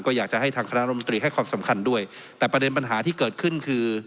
ก็อยากจะให้ทางคณะรมตรีให้ความสำคัญด้วยแต่ประเด็นปัญหาที่เกิดขึ้นคือ